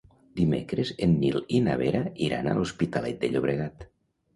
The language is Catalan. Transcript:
Dimecres en Nil i na Vera iran a l'Hospitalet de Llobregat.